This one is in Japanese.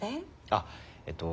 あっえっと